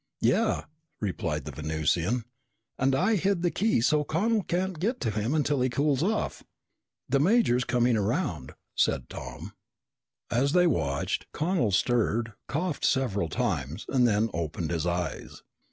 "Yeah," replied the Venusian. "And I hid the key, so Connel can't get to him until he cools off." "The major is coming around," said Tom. As they watched, Connel stirred, coughed several times, and then opened his eyes.